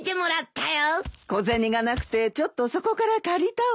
小銭がなくてちょっとそこから借りたわ。